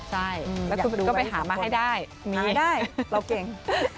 ใช่แล้วคุณก็ไปหามาให้ได้มีได้เราเก่ง